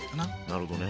なるほどね。